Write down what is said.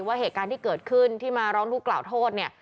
ว่าเหตุการณ์ที่เกิดขึ้นที่มาร้องทุกกล่าวโทษเนี่ย